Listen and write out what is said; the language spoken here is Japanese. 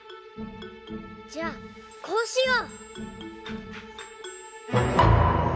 じゃあこうしよう！